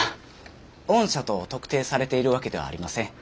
御社と特定されているわけではありません。